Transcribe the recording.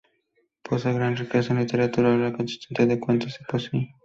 Posee gran riqueza en literatura oral, consistente de cuentos y poesía.